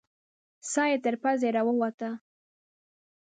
ساه یې تر پزې راووته.